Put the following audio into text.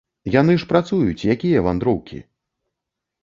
Яны ж працуюць, якія вандроўкі!